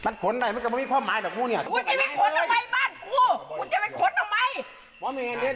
ยิงกูป่ะ